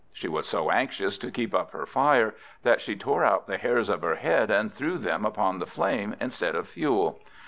She was so anxious to keep up her fire, that she tore out the hairs of her head, and threw them upon the flame instead of fuel.